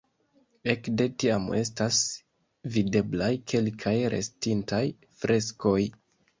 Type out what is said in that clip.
Ekde tiam estas videblaj kelkaj restintaj freskoj.